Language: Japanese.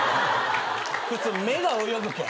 普通目が泳ぐけん。